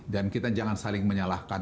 dan kita jangan saling menyalahkan